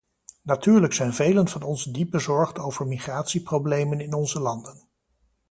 Natuurlijk zijn velen van ons diep bezorgd over migratieproblemen in onze landen.